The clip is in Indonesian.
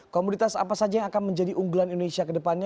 komoditas apa saja yang akan menjadi unggulan indonesia ke depannya